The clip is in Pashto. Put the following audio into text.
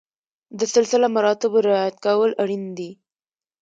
د سلسله مراتبو رعایت کول اړین دي.